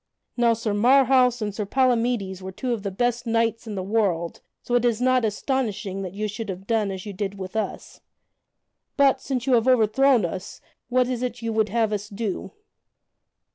Now Sir Marhaus and Sir Palamydes were two of the best knights in the world, so it is not astonishing that you should have done as you did with us. But, since you have overthrown us, what is it you would have us do?"